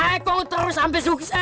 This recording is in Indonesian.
linda saya kok terus sampai sukses